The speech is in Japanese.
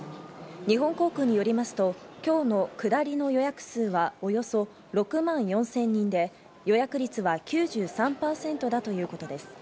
日本航空によりますと、今日の下りの予約数はおよそ６万４０００人で、予約率は９３％だということです。